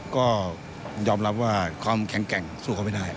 ก็ยอมรับว่าความแข็งแกร่งสู้เขาไม่ได้